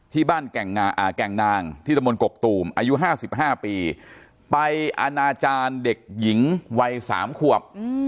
แก่งนางที่ตะมนตกกตูมอายุ๕๕ปีไปอนาจารย์เด็กหญิงวัย๓ขวบ